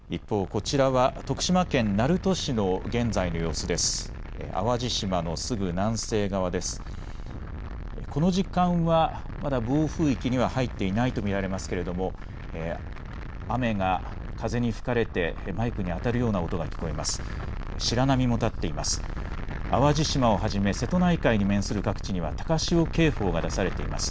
この時間はまだ暴風域には入っていないと見られますけれども雨が風に吹かれてマイクに当たるような音が聞こえます。